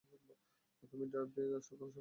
তুমি ড্রাইভ দিয়ে এসব ধংস করেছে?